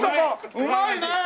うまいね！